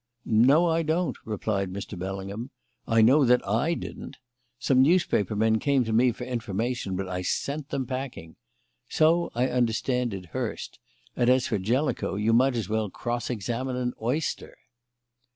"No, I don't," replied Mr. Bellingham. "I know that I didn't. Some newspaper men came to me for information, but I sent them packing. So, I understand, did Hurst; and as for Jellicoe, you might as well cross examine an oyster."